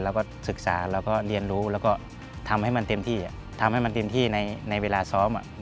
แล้วก็ศึกษาแล้วก็เรียนรู้แล้วก็ทำให้มันเต็มที่ทำให้มันเต็มที่ในเวลาซ้อม